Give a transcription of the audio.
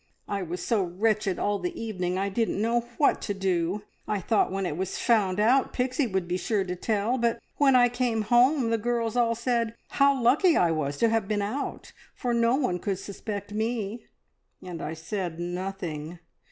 I was so wretched all the evening I didn't know what to do. I thought when it was found out Pixie would be sure to tell; but when I came home the girls all said how lucky I was to have been out, for no one could suspect me, and I said nothing.